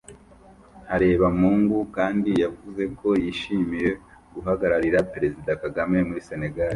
Harebamungu kandi yavuze ko yishimiye guhagararira Perezida Kagame muri Sénégal